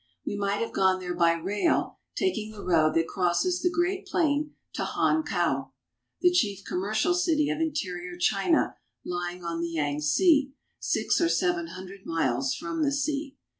We might have gone there by rail, taking the road that crosses the Great Plain to Hankau, the chief commercial city of interior China lying on the Yangtze, six or seven hundred miles from the sea.